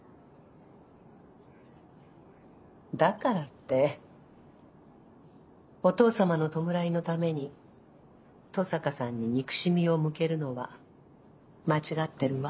だからってお父様の弔いのために登坂さんに憎しみを向けるのは間違ってるわ。